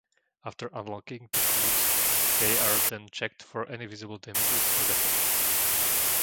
After unloading the goods, they are then checked for any visible damages or defects.